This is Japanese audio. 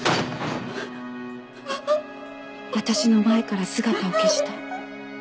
私の前から姿を消した。